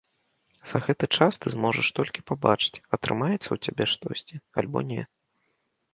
За гэты час ты зможаш толькі пабачыць, атрымаецца ў цябе штосьці альбо не.